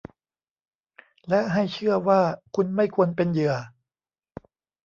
และให้เชื่อว่าคุณไม่ควรเป็นเหยื่อ